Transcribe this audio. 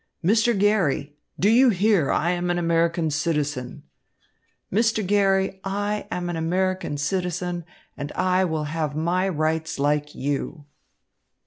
"Mr. Garry, do you hear I am an American citizen? Mr. Garry, I am an American citizen, and I will have my rights like you."